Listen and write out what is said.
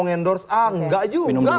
nggak mau endorse